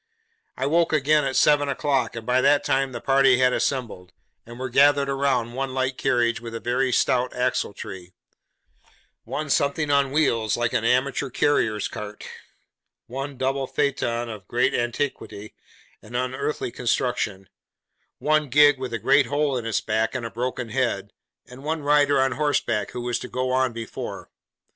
I woke again at seven o'clock, and by that time the party had assembled, and were gathered round, one light carriage, with a very stout axletree; one something on wheels like an amateur carrier's cart; one double phaeton of great antiquity and unearthly construction; one gig with a great hole in its back and a broken head; and one rider on horseback who was to go on before.